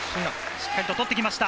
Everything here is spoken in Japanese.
しっかり取ってきました。